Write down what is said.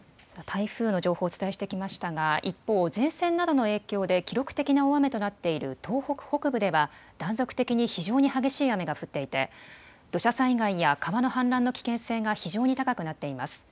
台風の情報をお伝えしてきましたが一方、前線などの影響で記録的な大雨となっている東北北部では断続的に非常に激しい雨が降っていて土砂災害や川の氾濫の危険性が非常に高くなっています。